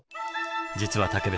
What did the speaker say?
実は武部さん